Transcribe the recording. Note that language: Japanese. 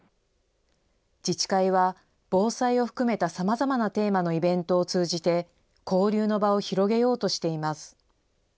自治会は防災を含めたさまざまなテーマのイベントを通じて、交流の場を広げようとしています。